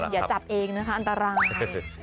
อย่าจับเองนะคะอันตราย